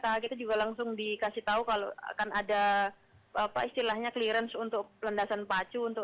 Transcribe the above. kita juga langsung dikasih tahu kalau akan ada apa istilahnya clearance untuk landasan pacu untuk